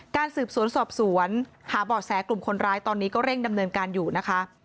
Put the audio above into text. สืบสวนสอบสวนหาเบาะแสกลุ่มคนร้ายตอนนี้ก็เร่งดำเนินการอยู่นะคะ